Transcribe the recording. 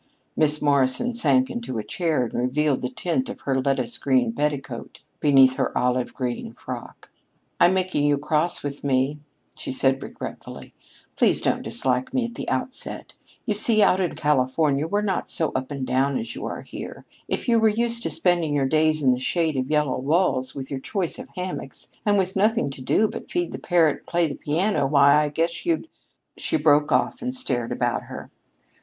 Miss Morrison sank into a chair and revealed the tint of her lettuce green petticoat beneath her olive green frock. "I'm making you cross with me," she said regretfully. "Please don't dislike me at the outset. You see, out in California we're not so up and down as you are here. If you were used to spending your days in the shade of yellow walls, with your choice of hammocks, and with nothing to do but feed the parrot and play the piano, why, I guess you'd " She broke off and stared about her.